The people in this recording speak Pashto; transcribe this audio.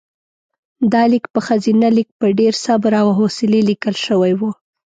دا لیک په ښځینه لیک په ډېر صبر او حوصلې لیکل شوی و.